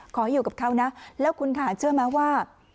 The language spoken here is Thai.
ขอให้อยู่กับเขานะแล้วคุณค่ะเชื่อไหมว่า